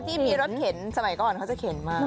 ที่มีรถเข็นสมัยก่อนเขาจะเข็นมา